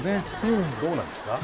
うんどうなんですか？